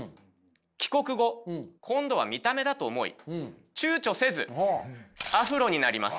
帰国後今度は見た目だと思い躊躇せずアフロになります。